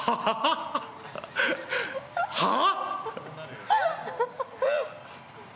はあ？